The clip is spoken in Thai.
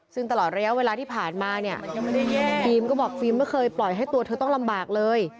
ซึ่งตลอดระยะเวลาที่ผ่านมาเนี่ยฟิล์มก็บอกฟิล์มไม่เคยปล่อยให้ตัวเธอต้องลำบากเลย